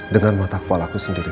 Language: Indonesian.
dengan mata kepala aku sendiri